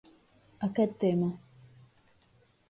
Aquest tema.